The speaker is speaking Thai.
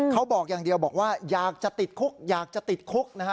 เขาบอกอย่างเดียวบอกว่าอยากจะติดคุกอยากจะติดคุกนะฮะ